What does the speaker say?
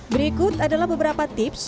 berikut adalah beberapa tips